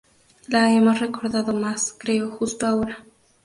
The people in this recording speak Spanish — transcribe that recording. La hemos recordado más, creo, justo ahora".